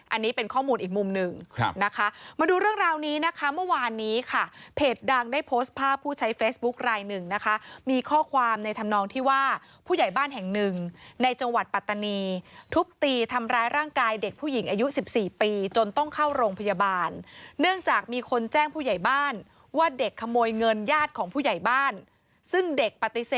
อันนี้เป็นข้อมูลอีกมุมหนึ่งนะคะมาดูเรื่องราวนี้นะคะเมื่อวานนี้ค่ะเพจดังได้โพสต์ภาพผู้ใช้เฟซบุ๊คลายหนึ่งนะคะมีข้อความในธรรมนองที่ว่าผู้ใหญ่บ้านแห่งหนึ่งในจังหวัดปัตตานีทุบตีทำร้ายร่างกายเด็กผู้หญิงอายุ๑๔ปีจนต้องเข้าโรงพยาบาลเนื่องจากมีคนแจ้งผู้ใหญ่บ้านว่าเด็กขโมยเงินญาติของผู้ใหญ่บ้านซึ่งเด็กป